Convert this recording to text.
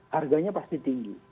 harganya pasti tinggi